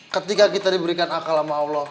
ketika kita diberikan akal sama allah